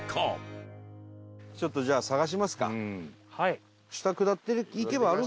ちょっとじゃあ探しますか。